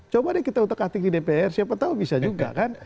coba deh kita utak atik di dpr siapa tahu bisa juga kan